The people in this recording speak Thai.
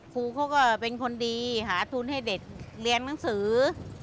ครูเขาก็เป็นคนดีหาทุนให้เด็กเรียนหนังสือ